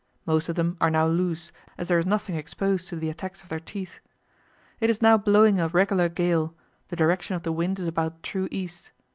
Most of them are now loose, as there is nothing exposed to the attacks of their teeth. It is now blowing a regular gale; the direction of the wind is about true east.